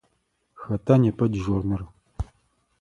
Хэта непэ дежурнэр?